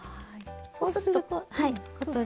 そうすると。